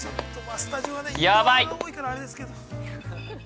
やばい。